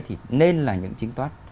thì nên là những tính toán